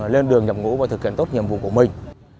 lên đường nhập ngũ và thực hiện tốt nhiệm vụ của mình